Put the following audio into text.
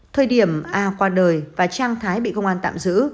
thời điểm a qua đời và trang thái bị công an tạm giữ